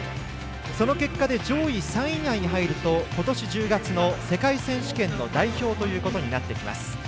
その結果で上位３位以内に入るとことし１０月の世界選手権の代表ということになってきます。